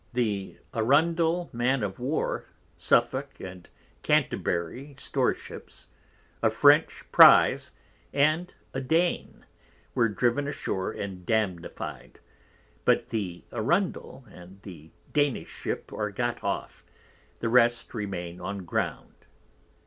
The Arundel Man of War, Suffolk and Canterbury Storeships, a French Prize, and a Dane, were driven ashore and damnified; but the Arundel and the Danish Ship are got off, the rest remain on Ground.